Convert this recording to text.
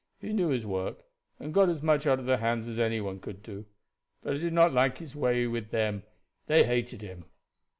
He knew his work, and got as much out of the hands as any one could do; but I did not like his way with them. They hated him."